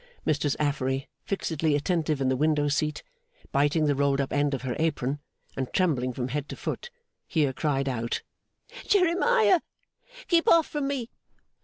Mistress Affery, fixedly attentive in the window seat, biting the rolled up end of her apron, and trembling from head to foot, here cried out, 'Jeremiah, keep off from me!